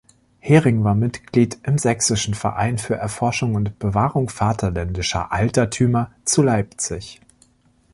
Hering war Mitglied im "Sächsischen Verein für Erforschung und Bewahrung vaterländischer Altertümer zu Leipzig".